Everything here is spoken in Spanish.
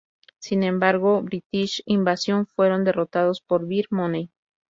Sin embargo, British Invasion fueron derrotados por Beer Money, Inc.